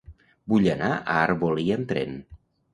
Vull anar a Arbolí amb tren.